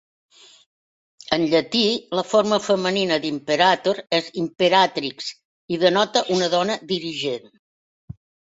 En llatí, la forma femenina d'"imperator" és "imperatrix" i denota una dona dirigent.